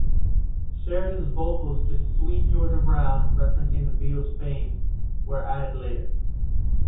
Sheridan's vocals to "Sweet Georgia Brown", referencing the Beatles' fame, were added later.